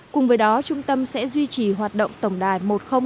cùng với đó trung tâm sẽ duy trì hoạt động tổng đài một nghìn hai mươi hai